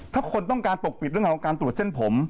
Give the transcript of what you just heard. ถ้าคนต้องการปกปิดเรื่องของการตรวจเส้นผม